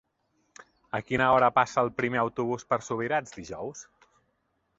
A quina hora passa el primer autobús per Subirats dijous?